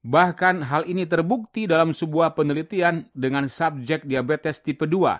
bahkan hal ini terbukti dalam sebuah penelitian dengan subjek diabetes tipe dua